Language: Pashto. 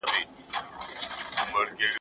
په جنګ کي یوازې زړور خلګ ژوندي پاتې کیږي.